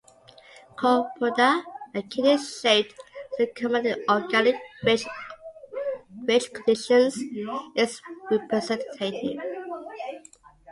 "Colpoda", a kidney-shaped ciliate common in organic rich conditions, is representative.